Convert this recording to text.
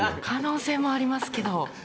可能性もありますけど。